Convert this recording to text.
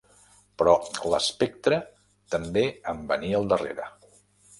Però l'espectre també em venia al darrera